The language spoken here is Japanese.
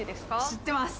知ってます